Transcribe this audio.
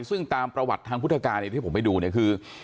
ซึ่งตามประวัติทางพุทธการที่ผมไปดูเนี่ยคือ